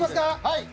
はい。